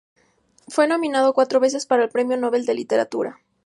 Fue nominado cuatro veces para el Premio Nobel de Literatura.